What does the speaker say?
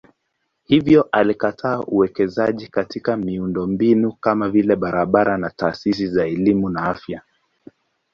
Hivyo alikataa uwekezaji katika miundombinu kama vile barabara au taasisi za elimu na afya.